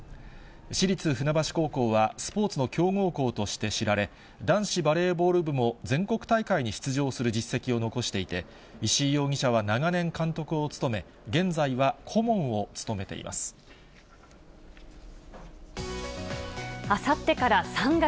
市立船橋高校はスポーツの強豪校として知られ、男子バレーボール部も全国大会に出場する実績を残していて、石井容疑者は長年、監督を務め、あさってから３月。